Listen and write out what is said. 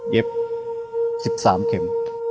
เย็บสิบสามเข็ม